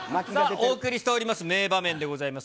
お送りしております、名場面でございます。